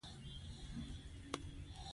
چې وار ورته راشي، کمې او پخې خبرې کوي.